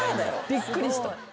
びっくりした。